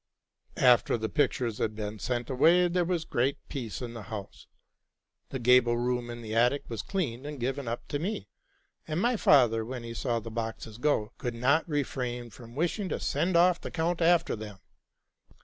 After the pictures had been sent away, there was great peace in the house. The gable room in the attic was cleaned, RELATING TO MY LIFE. 95 and given up to me; and my father, when he saw the boxes go, could not refrain from wishing to send off the count after them.